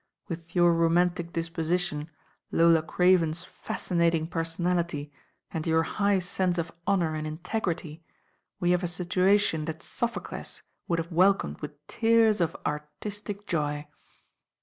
With your romantic disposition, Lola Craven's fascinating per sonality and your high sense of honour and integ nty, we have a situation that Sophocles would have welcomed with tears of artistic joy."